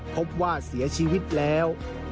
พบว่าเสียชีวิตแล้ว